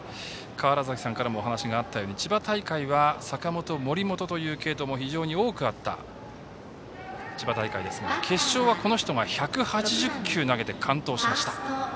川原崎さんからもお話があったように千葉大会は坂本、森本という継投も非常に多くあった千葉大会ですが決勝は、この人が１８０球投げて完投しました。